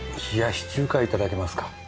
冷やし中華いただけますか？